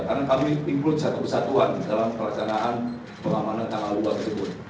karena kami ikut satu satuan dalam pelaksanaan pengamanan tanggal uang tersebut